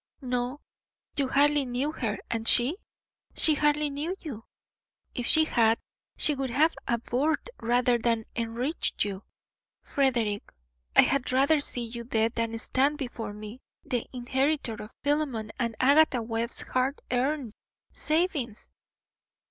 "No, you hardly knew her. And she? She hardly knew you; if she had she would have abhorred rather than enriched you. Frederick, I had rather see you dead than stand before me the inheritor of Philemon and Agatha Webb's hard earned savings."